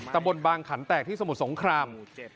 ตำบลบางขันแตกที่สมุทรสงคราม